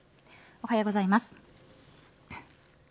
おはようございます。